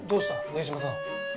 上島さん